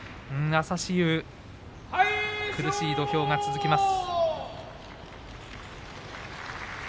朝志雄、苦しい土俵が続きます。